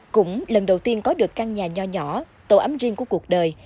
cũng lần đầu tiên có được căn nhà nhỏ nhỏ tổ ấm riêng của cuộc đời